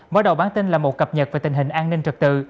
mở đầu bản tin là một cập nhật về tình hình an ninh trật tự